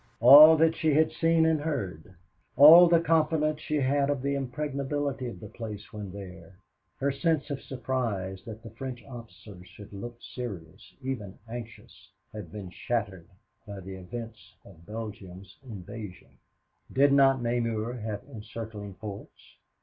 All that she had seen and heard, all the confidence she had of the impregnability of the place when there her sense of surprise that the French officers should look serious, even anxious had been shattered by the events of Belgium's invasion. Did not Namur have encircling forts?